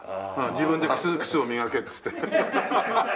自分で靴を磨けっつって。